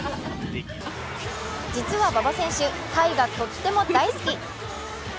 実は馬場選手、タイがとっても大好き。